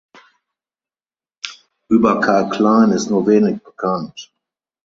Über Karl Klein ist nur wenig bekannt.